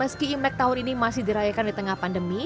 meski imlek tahun ini masih dirayakan di tengah pandemi